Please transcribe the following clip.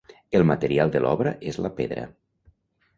El material de l'obra és la pedra.